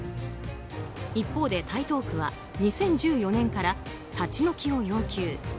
一方で台東区は２０１４年から立ち退きを要求。